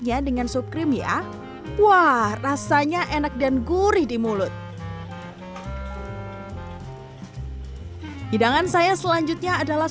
nya dengan sup krim ya wah rasanya enak dan gurih di mulut hidangan saya selanjutnya adalah